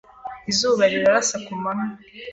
Izuba rirasira ku manywa.